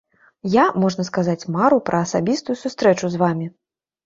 Я, можна сказаць, марыў пра асабістую сустрэчу з вамі.